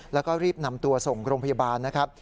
แล้วก็รีบนำตัวส่งโรงพยาบาลนะครับ